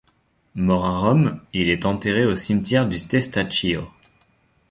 Mort à Rome il est enterré au cimetière du Testaccio.